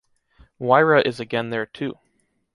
Moira is again there too.